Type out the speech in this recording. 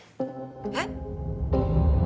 えっ？